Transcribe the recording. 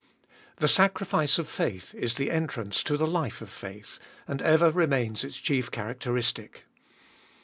THE sacrifice of faith is the entrance to the life of faith, and ever remains its chief characteristic.